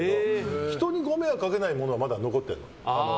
人にご迷惑かけないものはまだ残ってる。